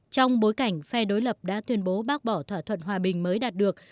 trong bối cảnh phe đối lập đã tuyên bố bác bỏ thỏa thuận hòa bình mới đạt được